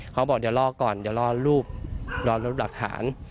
เขาบอกเดี๋ยวลอกก่อนเดี๋ยวลองรูปหลักฐาน